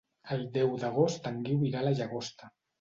El deu d'agost en Guiu irà a la Llagosta.